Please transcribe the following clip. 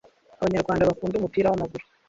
Abanyarwanda bakunda umupira w’amaguru